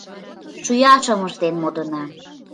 Шӱяшым ыштен модына.